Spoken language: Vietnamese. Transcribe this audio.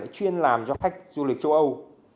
đã chuyên làm cho khách du lịch châu âu